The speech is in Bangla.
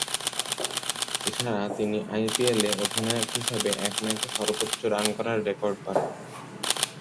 এছাড়া তিনি আইপিএলে অধিনায়ক হিসেবে এক ম্যাচে সর্বোচ্চ রান করার রেকর্ড গড়েন।